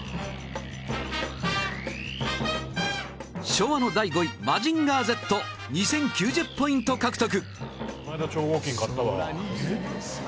昭和の第５位『マジンガーＺ』２０９０ポイント獲得